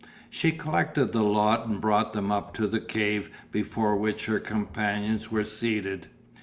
She collected the lot and brought them up to the cave before which her companions were seated.